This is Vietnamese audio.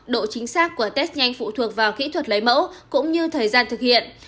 độ chính xác của test nhanh phụ thuộc vào kỹ thuật lấy mẫu cũng như thời gian thực hiện